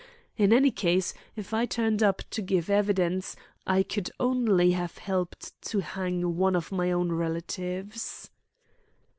In any case, if I turned up to give evidence, I could only have helped to hang one of my own relatives."